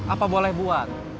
apa boleh buat